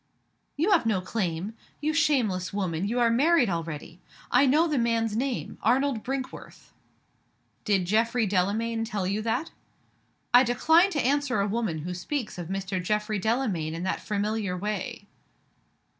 "You have no claim! You shameless woman, you are married already. I know the man's name. Arnold Brinkworth." "Did Geoffrey Delamayn tell you that?" "I decline to answer a woman who speaks of Mr. Geoffrey Delamayn in that familiar way."